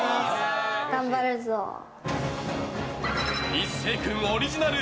壱晟君オリジナル！